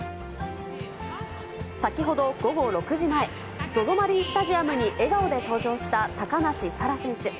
先ほど午後６時前、ＺＯＺＯマリンスタジアムに笑顔で登場した高梨沙羅選手。